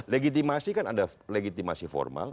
legitimasi kan ada legitimasi formal